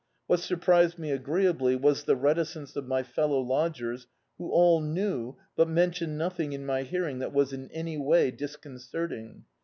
What surprised me agree ably was the reticence of my fellow lodgers, who all knew, but mentioned nothing in my hearing that was in any way disconcerting.